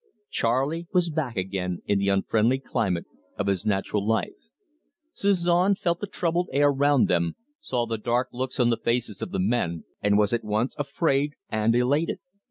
Charley was back again in the unfriendly climate of his natural life. Suzon felt the troubled air round them, saw the dark looks on the faces of the men, and was at once afraid and elated.